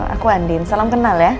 aku andin salam kenal ya